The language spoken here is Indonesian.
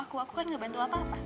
aku kan nggak bantu apa dua